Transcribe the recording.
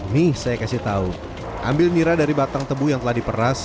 nih saya kasih tahu ambil nira dari batang tebu yang telah diperas